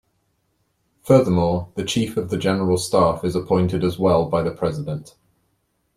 Furthermore, the Chief of the General Staff is appointed as well by the President.